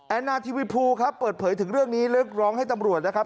นาทีวิภูครับเปิดเผยถึงเรื่องนี้เรียกร้องให้ตำรวจนะครับ